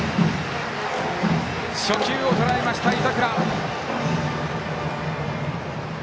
初球をとらえました、井櫻。